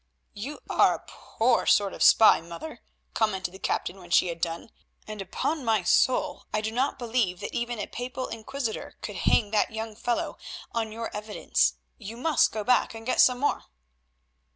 "You are a poor sort of spy, mother," commented the captain when she had done, "and, upon my soul, I do not believe that even a Papal inquisitor could hang that young fellow on your evidence. You must go back and get some more."